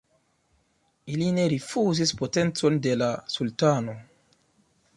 Ili ne rifuzis potencon de la sultano.